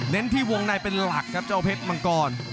ที่วงในเป็นหลักครับเจ้าเพชรมังกร